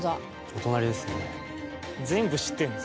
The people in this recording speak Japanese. お隣ですね。